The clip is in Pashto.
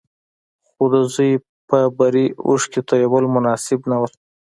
خو د زوی پر بري اوښکې تويول مناسب نه وو.